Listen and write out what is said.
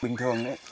bình thường ấy